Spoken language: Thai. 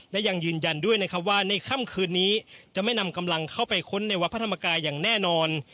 และยังยืนยันด้วยนะครับว่าในค่ำคืนนี้จะไม่นำกำลังเข้าไปค้นในวัดพระธรรมกายอย่างแน่นอน